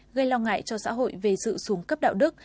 gây lo ngại cho xã hội về sự xuống cấp đạo đức